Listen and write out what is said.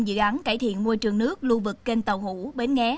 dự án cải thiện môi trường nước lưu vực kênh tài